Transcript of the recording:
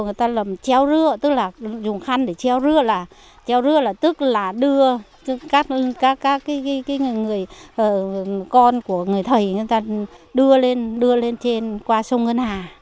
người ta làm treo rưa tức là dùng khăn để treo dưa là treo dưa là tức là đưa các người con của người thầy người ta đưa lên đưa lên trên qua sông ngân hà